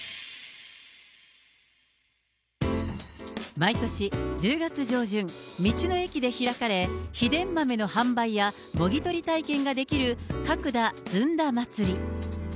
毎年１０月上旬、道の駅で開かれ、秘伝豆の販売やもぎ取り体験ができる角田ずんだまつり。